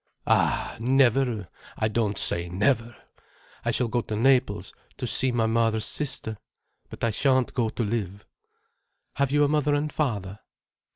"Ah, never! I don't say never. I shall go to Naples, to see my mother's sister. But I shan't go to live—" "Have you a mother and father?"